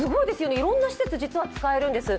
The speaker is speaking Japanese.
いろんな施設、実は使えるんです。